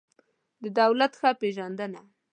د دولت ښه پېژندنه